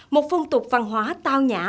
một phong tục văn hóa tao nhã